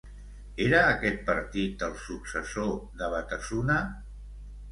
Era aquest partit el successor de Batasuna?